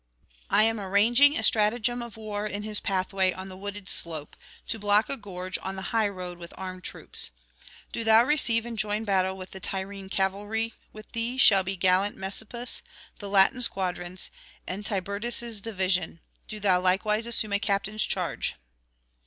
I am arranging a stratagem of [515 550]war in his pathway on the wooded slope, to block a gorge on the highroad with armed troops. Do thou receive and join battle with the Tyrrhene cavalry; with thee shall be gallant Messapus, the Latin squadrons, and Tiburtus' division: do thou likewise assume a captain's charge.'